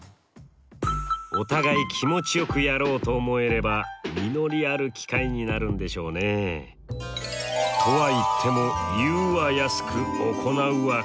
お互い気持ちよくやろうと思えれば実りある機会になるんでしょうね。とは言っても「言うは易く行うは難し」。